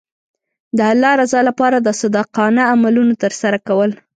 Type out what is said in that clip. د الله رضا لپاره د صادقانه عملونو ترسره کول.